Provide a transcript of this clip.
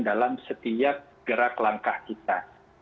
dalam setiap gerak langkah kita